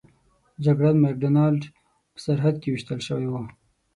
جګړن مک ډانلډ په سرحد کې ویشتل شوی و.